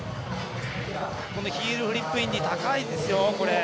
ヒールフリップインディ高いですよ。